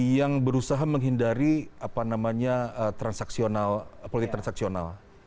yang berusaha menghindari apa namanya transaksional politik transaksional